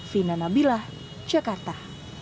fina nabilah jakarta